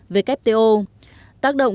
wto tác động